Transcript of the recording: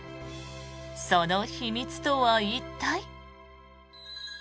その秘密とは一体？